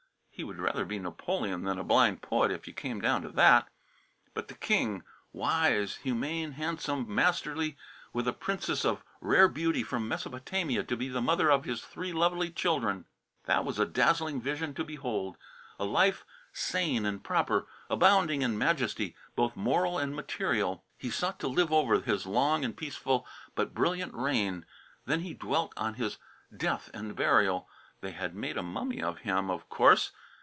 He would rather be Napoleon than a blind poet, if you came down to that. But the king, wise, humane, handsome, masterly, with a princess of rare beauty from Mesopotamia to be the mother of his three lovely children. That was a dazzling vision to behold, a life sane and proper, abounding in majesty both moral and material. He sought to live over his long and peaceful but brilliant reign. Then he dwelt on his death and burial. They had made a mummy of him, of course.